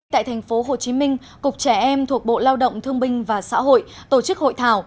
tại thành phố hồ chí minh cục trẻ em thuộc bộ lao động thương minh và xã hội tổ chức hội thảo